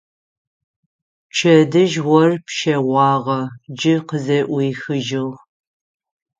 Пчэдыжь ор пщэгъуагъэ, джы къызэӏуихыжьыгъ.